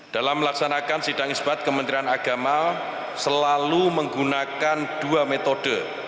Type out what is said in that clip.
dalam melaksanakan sidang isbat kementerian agama selalu menggunakan dua metode